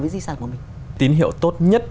với di sản của mình tín hiệu tốt nhất